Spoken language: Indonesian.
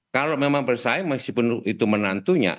kalau memang bersaing meskipun itu menantunya